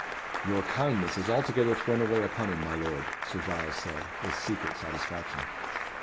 "Your kindness is altogether thrown away upon him, my lord," Sir Giles said, with secret satisfaction.